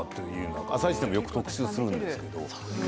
「あさイチ」でも特集するんですけれどもね。